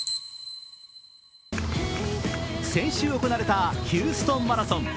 先週行われたヒューストンマラソン。